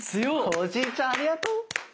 おじいちゃんありがとう。